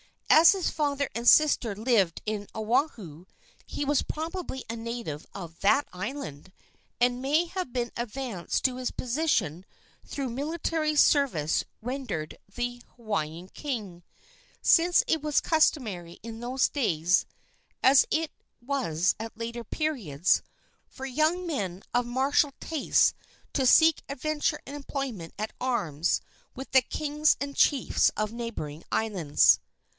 As his father and sister lived on Oahu, he was probably a native of that island, and may have been advanced to his position through military service rendered the Hawaiian king, since it was customary in those days, as it was at later periods, for young men of martial tastes to seek adventure and employment at arms with the kings and chiefs of neighboring islands.